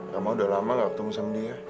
ramah udah lama nggak ketemu sama dia